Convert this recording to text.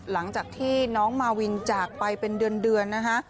หลังจากที่น้องมาวินจากไปเป็นเดือนนะคะ